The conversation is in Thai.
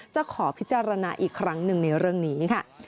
จะขอพิจารณาอีกครั้งหนึ่งในเรื่องนี้ค่ะ